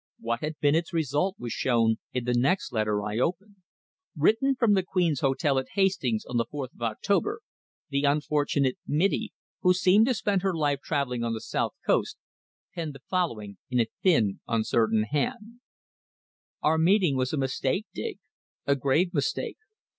What had been its result was shown in the next letter I opened. Written from the Queen's Hotel at Hastings on the fourth of October, the unfortunate "Mittie," who seemed to spend her life travelling on the South Coast, penned the following in a thin, uncertain hand: "Our meeting was a mistake, Dig, a grave mistake.